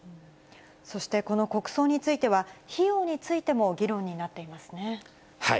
そしてこの国葬については、費用についても議論になっていますね。